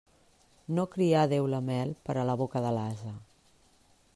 No crià Déu la mel per a la boca de l'ase.